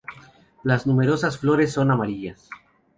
Las numerosas flores son amarillas.